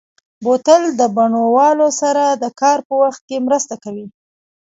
بوتل د بڼوالو سره د کار په وخت کې مرسته کوي.